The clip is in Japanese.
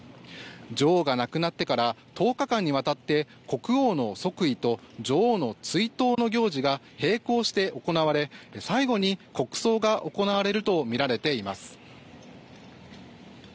女王が亡くなってから１０日間にわたって国王の即位と女王の追悼の行事が並行して行われ最後に国葬が行われるとみられています。